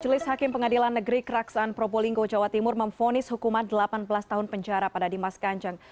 jelis hakim pengadilan negeri keraksaan probolinggo jawa timur memfonis hukuman delapan belas tahun penjara pada dimas kanjeng